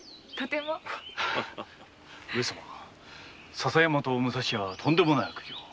笹山と武蔵屋はとんでもない悪行を。